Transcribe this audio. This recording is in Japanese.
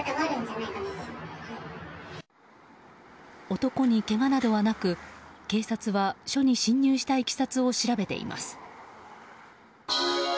男にけがなどはなく、警察は署に侵入したいきさつを調べています。